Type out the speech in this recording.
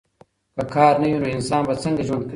که کار نه وي نو انسان به څنګه ژوند کوي؟